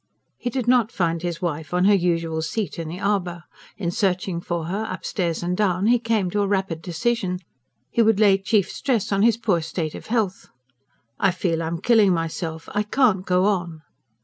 He did not find his wife on her usual seat in the arbour. In searching for her, upstairs and down, he came to a rapid decision. He would lay chief stress on his poor state of health. "I feel I'm killing myself. I can't go on."